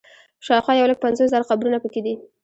شاوخوا یو لک پنځوس زره قبرونه په کې دي.